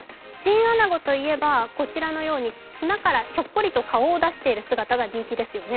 チンアナゴといえば、こちらのように砂からひょっこりと顔を出している姿が人気ですよね。